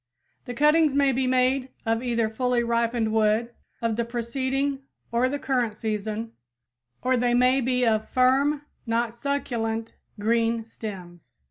The cuttings may be made of either fully ripened wood of the preceding or the current season, or they may be of firm, not succulent green stems.